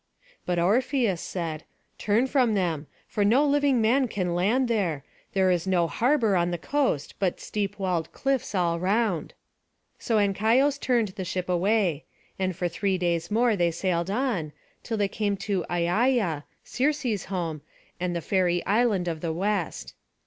[Footnote A: Britain.] But Orpheus said: "Turn from them, for no living man can land there: there is no harbour on the coast, but steep walled cliffs all round." So Ancaios turned the ship away; and for three days more they sailed on, till they came to Aiaia, Circe's home, and the fairy island of the West.